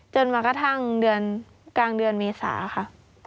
จนกระทั่งเดือนกลางเดือนเมษาค่ะ